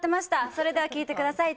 それでは聴いてください。